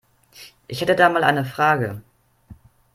Ich hätte da mal eine Frage.